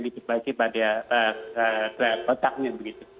ditebaiki pada kotaknya begitu